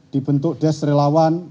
dibentuk desk relawan